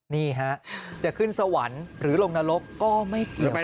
นี่ฮะจะขึ้นสวรรค์หรือลงนรกก็ไม่เกี่ยวไป